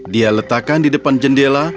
dia letakkan di depan jendela